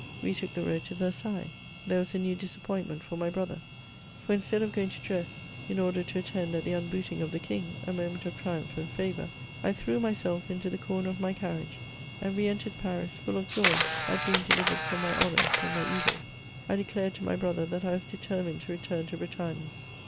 We took the road to Versailles. There was a new disappointment for my hrother ; for, instead of going to dress, in order to attend at the unbooting of the King, a moment of triumph and favour, I threw myself into the corner of my carriage, and re entered Paris, full of joy at being delivered from my honours and my evils. I declared to my brother that I was determined to return to Bretagne.